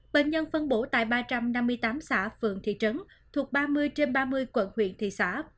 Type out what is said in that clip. bệnh nhân phân bổ tại ba trăm năm mươi tám xã phường thị trấn thuộc ba mươi trên ba mươi quận huyện thị xã